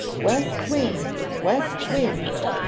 'West wind! West wind!